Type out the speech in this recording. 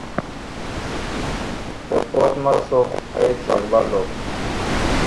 Mipɔt ma sɔ a eceg ɓaa lɔɓe.